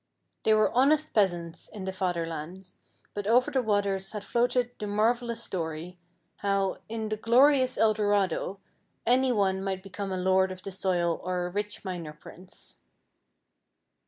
They were honest peasants in the Father land, but over the waters had floated the marvelous story, how, in the glorious El Dorado, any one might become a lord of the soil or a rich miner prince.